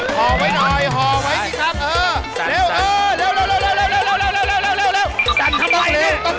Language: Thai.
ห่อไว้หน่อยห่อไว้สิครับ